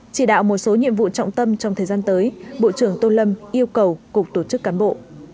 chỉ đạo một số nhiệm vụ trọng tâm trong thời gian tới bộ trưởng tô lâm yêu cầu cục tổ chức cán bộ